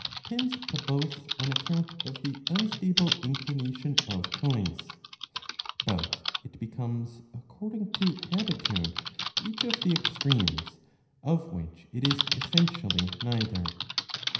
479 tends to both on account of the unstable inclination of choice; but it becomes according to habitude each of the extremes, of which it is essentially neither.